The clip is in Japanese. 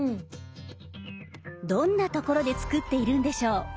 どんなところで作っているんでしょう？